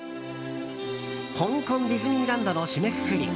香港ディズニーランドの締めくくり。